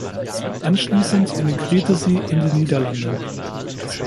Anschließend emigrierte sie in die Niederlande.